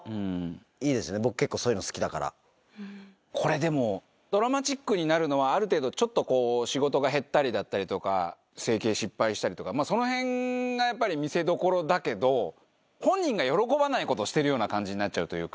いいですね、僕、これでも、ドラマチックになるのは、ある程度、ちょっとこう、仕事が減ったりだったりとか、整形失敗したりとか、そのへんがやっぱり見せどころだけど、本人が喜ばないことをしてるような感じになっちゃうというか。